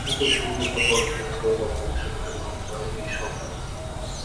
একই সঙ্গে গত অর্থবছরের লভ্যাংশ ঘোষণা হতে পারে এই সভায়।